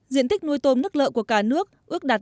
diện tích nuôi tôm nước lợ của cả nước ước đạt năm tấn